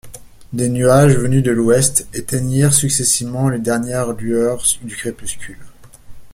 Des nuages, venus de l’ouest, éteignirent successivement les dernières lueurs du crépuscule.